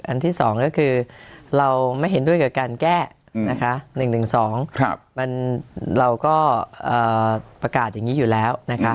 ที่๒ก็คือเราไม่เห็นด้วยกับการแก้นะคะ๑๑๒เราก็ประกาศอย่างนี้อยู่แล้วนะคะ